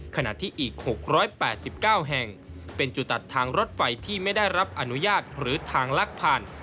ขณะที่อีก๖๘๙แห่งเป็นจุดตัดทางรถไฟที่ไม่ได้รับอนุญาตหรือทางลักผ่าน